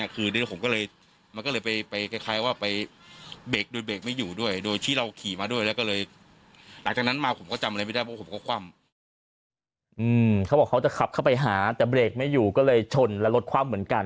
เขาบอกเขาจะขับเข้าไปหาแต่เบรกไม่อยู่ก็เลยชนและรถคว่ำเหมือนกัน